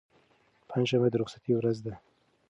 پنجشنبه د رخصتۍ ورځ ده.